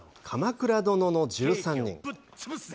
「鎌倉殿の１３人」。